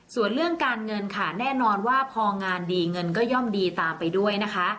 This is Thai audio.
ส่วนเรื่องการเงินค่ะแน่นอนว่าพองานดีเงินก็ย่อมดีตามไปด้วยนะคะ